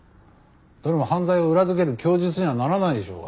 どれも犯罪を裏付ける供述にはならないでしょうが。